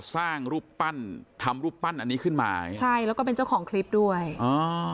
สร้างรูปปั้นทำรูปปั้นอันนี้ขึ้นมาใช่แล้วก็เป็นเจ้าของคลิปด้วยอ่า